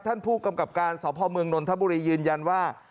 ท่านผู้กำกับการสพมทะบุรียืนยันว่า